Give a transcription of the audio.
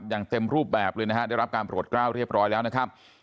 อย่างเต็มรูปแบบเลยนะฮะได้รับการโปรดกล้าวเรียบร้อยแล้วนะครับ